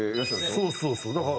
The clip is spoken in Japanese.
そうそうそう。